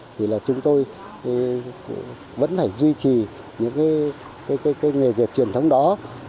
thì là chúng tôi vẫn phải duy trì những cái nghề dệt truyền thống đó